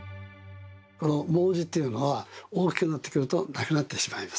毛茸っていうのは大きくなってくるとなくなってしまいます。